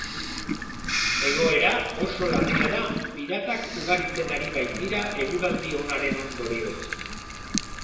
Egoera oso larria da, piratak ugaritzen ari baitira eguraldi onaren ondorioz.